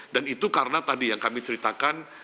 dan itu karena tadi yang kami ceritakan